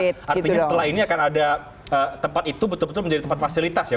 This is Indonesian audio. artinya setelah ini akan ada tempat itu betul betul menjadi tempat fasilitas ya